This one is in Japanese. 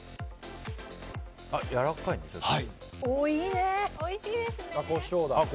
やわらかいんですね。